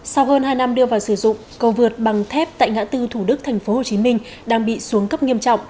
sau hơn hai năm đưa vào sử dụng cầu vượt bằng thép tại ngã tư thủ đức tp hcm đang bị xuống cấp nghiêm trọng